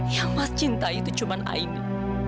yang mas cinta itu cuma aini